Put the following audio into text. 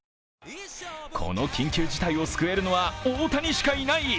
この緊急事態を救えるのは大谷しかいない。